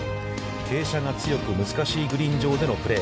傾斜が強く、難しいグリーン上でのプレー。